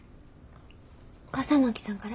笠巻さんから？